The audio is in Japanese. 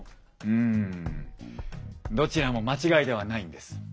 うんどちらも間違いではないんです。